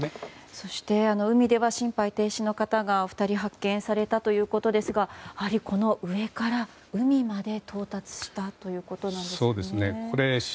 そして、海では心肺停止の方が２人発見されたということですが上から海まで到達したということなんですね。